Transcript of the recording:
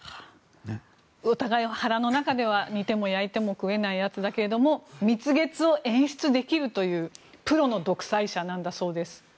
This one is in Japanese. お互い、腹の中では煮ても焼いても食えないやつだけど蜜月を演出できるというプロの独裁者なんだそうです。